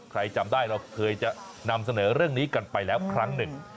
จำได้เราเคยจะนำเสนอเรื่องนี้กันไปแล้วครั้งหนึ่ง